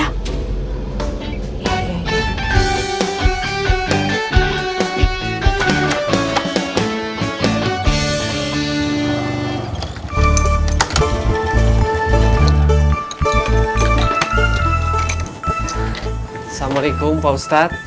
assalamualaikum pak ustadz